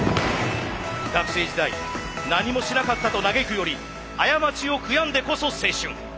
学生時代何もしなかったと嘆くより過ちを悔やんでこそ青春。